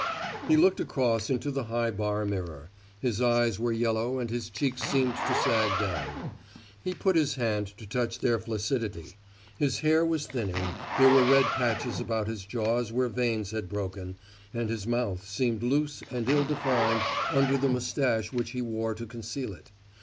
He looked across into the high bar mirror. His eyes were yellow and his cheeks seemed to sag down. He put his hand to them to touch their flaccidity. His hair was thinning, there were red patches about his jaws where veins had broken, and his mouth seemed loose and ill defined under the mustache which he wore to conceal it.